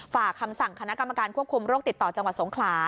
ฝากคำสั่งคณะกรรมการควบคุมโรคติดต่อจังหวัดสงขลา